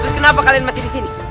terus kenapa kalian masih disini